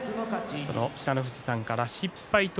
北の富士さんから失敗と。